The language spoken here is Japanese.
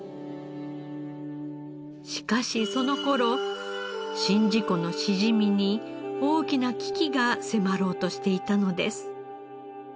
しかしその頃宍道湖のしじみに大きな危機が迫ろうとしていたのです。